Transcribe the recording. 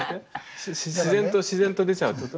自然と自然と出ちゃうってこと？